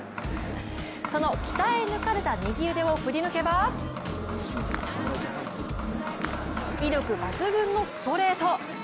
その鍛え抜かれた右腕を振り抜けば威力抜群のストレート。